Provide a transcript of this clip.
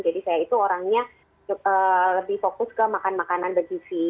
jadi saya itu orangnya lebih fokus ke makan makanan berisi